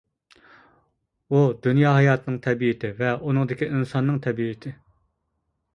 ئۇ دۇنيا ھاياتىنىڭ تەبىئىتى، ۋە ئۇنىڭدىكى ئىنساننىڭ تەبىئىتى.